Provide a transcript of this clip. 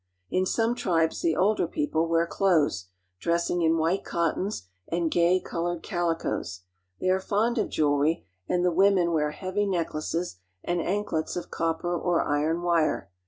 In some tribes the older people wear clothes, dressing in white cottons and gay colored calicoes. They are fond of jewelry, and the women wear heavy necklaces and anklets of cppper or iron wire.